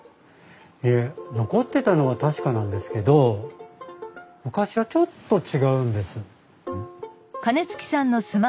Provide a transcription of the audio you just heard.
いえ残ってたのは確かなんですけど昔はちょっと違うんです。